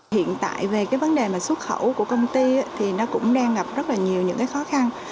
hiện tại về cái vấn đề mà xuất khẩu của công ty thì nó cũng đang gặp rất là nhiều những cái khó khăn